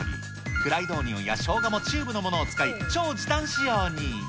フライドオニオンやしょうがもチューブのものを使い、超時短仕様に。